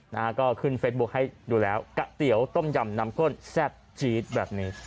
นะฮะก็ขึ้นเฟซบุ๊คให้ดูแล้วก๋วยเตี๋ยวต้มยำน้ำก้นแซ่บจี๊ดแบบนี้